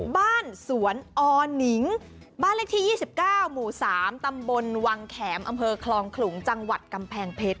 บ้านสวนอนิงบ้านเลขที่๒๙หมู่๓ตำบลวังแขมอำเภอคลองขลุงจังหวัดกำแพงเพชร